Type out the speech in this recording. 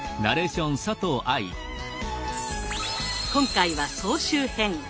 今回は総集編。